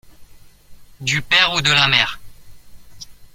Du père ou de la mère.